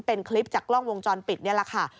เป็นคลิปจากกล้องวงจรปิดนี่แหละค่ะ